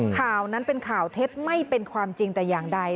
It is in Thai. ข่าวนั้นเป็นข่าวเท็จไม่เป็นความจริงแต่อย่างใด